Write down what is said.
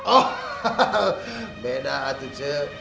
oh beda itu ce